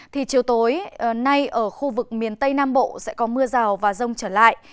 thì chiều tối nay ở khu vực miền tây nam bộ sẽ có mưa rào và rông trở lại